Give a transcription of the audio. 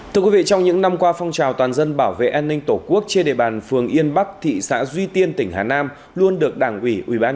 thưa quý vị trong những năm qua phong trào toàn dân bảo vệ an ninh tổ quốc trên địa bàn phường yên bắc thị xã duy tiên tỉnh hà nam luôn được đảng ủy ubnd